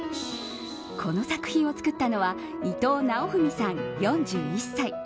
この作品を作ったのは伊藤尚史さん、４１歳。